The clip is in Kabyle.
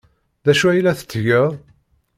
D acu ay la tettgeḍ?